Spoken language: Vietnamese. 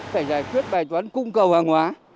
phải giải quyết bài toán cung cầu hàng hóa